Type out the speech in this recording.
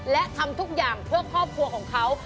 และทำทุกอย่างเพื่อครอบครัวของเขา